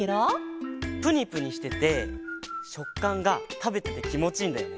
ぷにぷにしててしょっかんがたべててきもちいいんだよね。